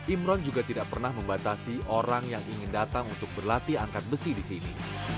imron juga tidak pernah membatasi orang yang ingin datang untuk berlatih angkat besi di sini